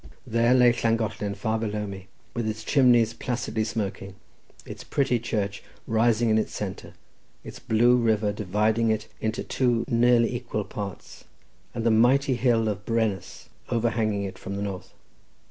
There lay Llangollen far below me, with its chimneys placidly smoking, its pretty church rising in its centre, its blue river dividing it into two nearly equal parts, and the mighty hill of Brennus, overhanging it from the north.